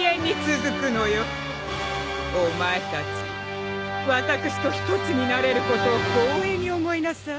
お前たち私と一つになれることを光栄に思いなさい。